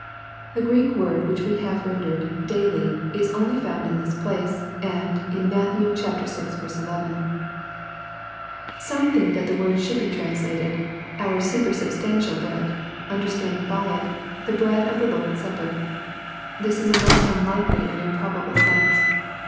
The Greek word which we have rendered " daily," is only found in this place, and in Matt. vL 11. Some think that the words should be translated *' our super substantial bread," understanding by it, the bread in the Lord's Supper. This is a most unlikely and improbable sense.